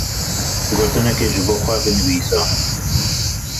Gotinekê ji bo xwe binivîse.